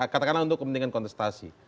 katakanlah untuk kepentingan kontestasi